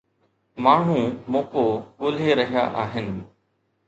ماڻهو موقعو ڳولي رهيا آهن.